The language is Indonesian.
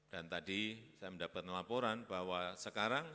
dan tadi saya mendapatkan laporan bahwa sekarang